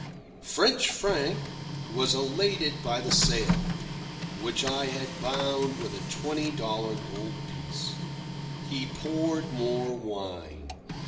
French Frank was elated by the sale, which I had bound with a twenty dollar goldpiece. He poured more wine.